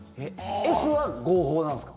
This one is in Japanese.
Ｓは合法なんですか？